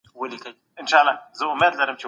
لویه جرګه کي د ښځو ونډه ولي مخ په ډېرېدو ده؟